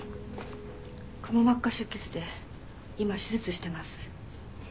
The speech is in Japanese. くも膜下出血で今手術してます。